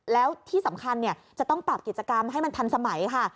แล้วที่สำคัญจะต้องปรับกิจกรรมให้มันทันสมัยค่ะ